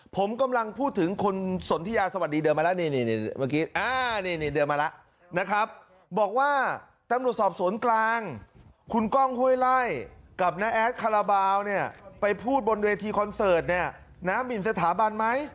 ผมกำลังพูดถึงคุณสนทิยาสวัสดีเดินมาแล้วนะครับบอกว่าตำรวจสอบสวนกลางคุณกล้องห้วยไล่กับน้าแอดคาราบาลไปพูดบนเวทีคอนเสิร์ตน้ามิ่นสถาบันไหม